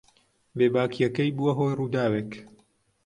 بێباکییەکەی بووە هۆی ڕووداوێک.